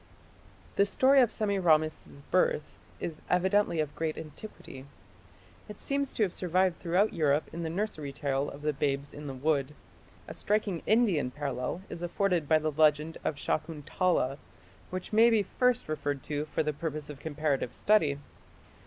The story of Semiramis's birth is evidently of great antiquity. It seems to survive throughout Europe in the nursery tale of the "Babes in the Wood". A striking Indian parallel is afforded by the legend of Shakuntala, which may be first referred to for the purpose of comparative study.